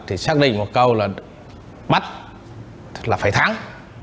thì xác định một câu là bắt là phải thắng